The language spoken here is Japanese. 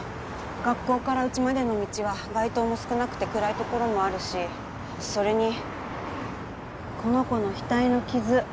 学校からうちまでの道は街灯も少なくて暗いところもあるしそれにこの子の額の傷